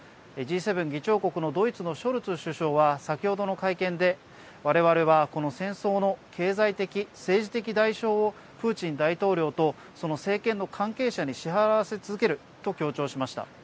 Ｇ７議長国のドイツのショルツ首相は先ほどの会見でわれわれはこの戦争の経済的・政治的代償をプーチン大統領とその政権の関係者に支払わせ続けると強調しました。